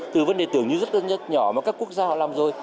từ vấn đề tưởng như rất đơn nhỏ mà các quốc gia họ làm rồi